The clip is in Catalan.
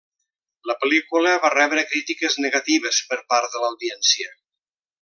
La pel·lícula va rebre crítiques negatives per part de l'audiència.